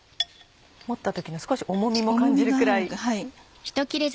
持った時に少し重みも感じるくらい。